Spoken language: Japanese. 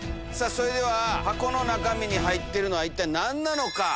それでは箱の中に入ってるのは一体何なのか。